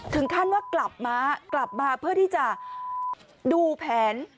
ถึงขั้นว่ากลับมากลับมาเพื่อที่จะดูแผน